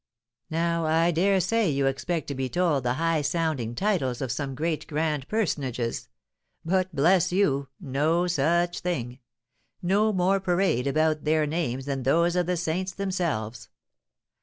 "Now I dare say you expect to be told the high sounding titles of some great, grand personages. But, bless you! no such thing; no more parade about their names than those of the saints themselves.